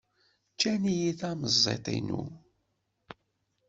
Ččan-iyi tamẓidt-inu.